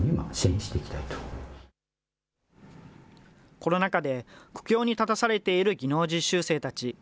コロナ禍で苦境に立たされている技能実習生たち。